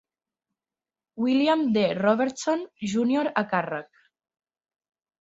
William D. Robertson, Junior a càrrec.